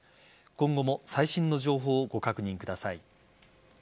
今後も最新の情報をご確認ください。